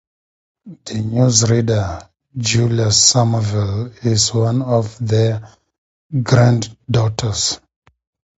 The news reader Julia Somerville is one of their granddaughters.